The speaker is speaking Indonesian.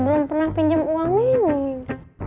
belum pernah pinjam uang ini